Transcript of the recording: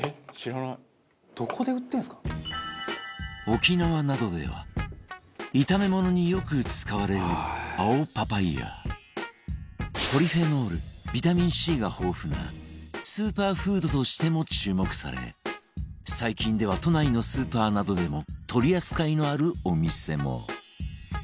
沖縄などでは炒め物によく使われる青パパイヤポリフェノールビタミン Ｃ が豊富なスーパーフードとしても注目され最近では都内のスーパーなどでも取り扱いのあるお店も